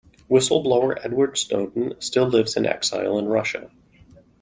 Whistle-blower Edward Snowden still lives in exile in Russia.